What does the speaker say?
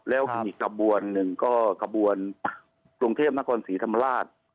แล้วมีอีกกระบวนหนึ่งก็ขบวนกรุงเทพนครศรีธรรมราช